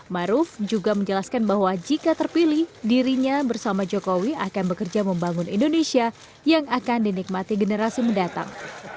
maruf juga menjelaskan bahwa jika terpilih dirinya bersama jokowi akan bekerja membangun indonesia yang akan dinikmati generasi mendatang